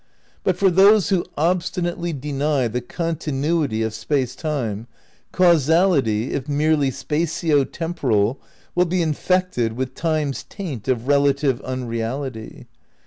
But for those who obstinately deny the continuity of Space Time, causality, if merely spatio temporal, will be "infected with time's taint of relative unreality."